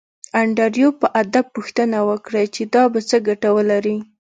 انډریو په ادب پوښتنه وکړه چې دا به څه ګټه ولري